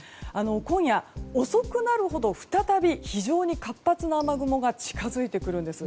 今夜、遅くなるほど再び、非常に活発な雨雲が近づいてくるんです。